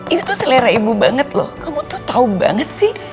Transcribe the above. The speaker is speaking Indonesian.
ini tuh selera ibu banget loh kamu tuh tau banget sih